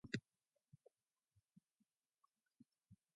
The Arabic name was translated as "Negroland" on older English maps.